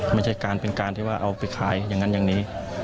ไม่ใช่การเป็นการที่ว่าเอาไปขายอย่างนั้นอย่างนี้